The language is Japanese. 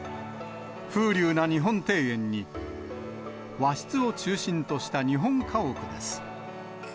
風流な日本庭園に、和室を中心とした日本家屋です。